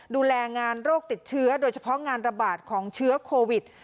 ดูแลงานโรคติดเชื้อโดยเฉพาะงานระบาดของเชื้อโควิด